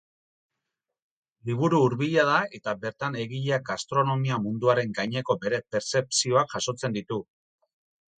Liburu hurbila da eta bertan egileak gastronomia munduaren gaineko bere pertzepzioak jasotzen ditu.